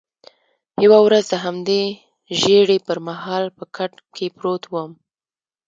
یوه ورځ د همدې ژېړي پر مهال په کټ کې پروت وم.